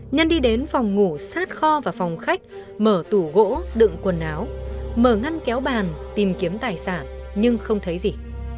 nhân đi đến phòng ngủ sát kho và phòng khách mở tủ gỗ đựng quần áo mở ngăn kéo bàn tìm kiếm tài sản nhưng không thấy gì